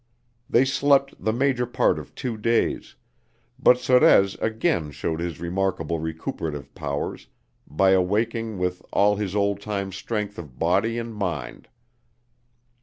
They slept the major part of two days, but Sorez again showed his remarkable recuperative powers by awaking with all his old time strength of body and mind.